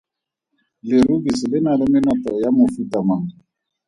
Lerubisi le na le menoto ya mofuta mang?